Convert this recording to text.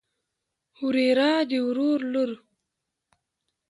وريره د ورور لور.